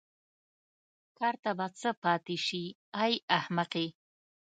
کار ته به څه پاتې شي ای احمقې.